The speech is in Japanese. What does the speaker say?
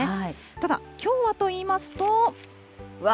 ただ、きょうはといいますと。